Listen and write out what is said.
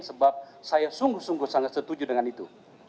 sebab saya sungguh sungguh sangat setuju dengan itu